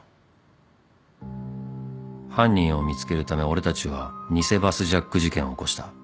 ［犯人を見つけるため俺たちは偽バスジャック事件を起こした］